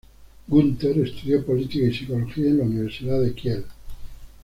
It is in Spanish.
Günther estudió política y psicología en la Universidad de Kiel.